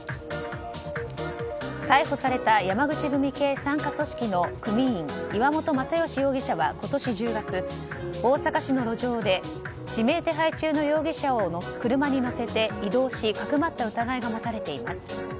逮捕された山口組系傘下組織の組員岩本政義容疑者は今年１０月大阪市の路上で指名手配中の容疑者を車に乗せて移動しかくまった疑いが持たれています。